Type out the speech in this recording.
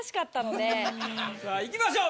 さあいきましょう。